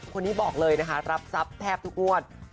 คนนี้บอกเลยนะคะรับทรัพย์แทบทุกงวด